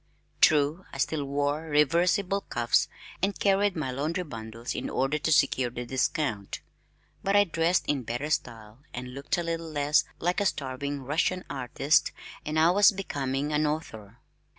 True I still wore reversible cuffs and carried my laundry bundles in order to secure the discount, but I dressed in better style and looked a little less like a starving Russian artist, and I was becoming an author!